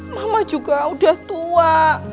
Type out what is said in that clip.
mama juga udah tua